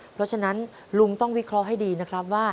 เพราะฉะนั้นลุงต้องวิเคราะห์ให้ดีนะครับว่า